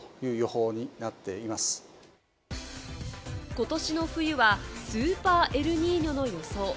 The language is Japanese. ことしの冬はスーパーエルニーニョの予想。